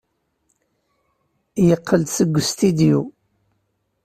Teqqel-d seg ustidyu.